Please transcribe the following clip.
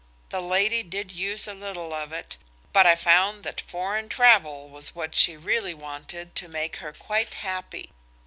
The lady did use a little of it, but I found that foreign travel was what she really wanted to make her quite happy.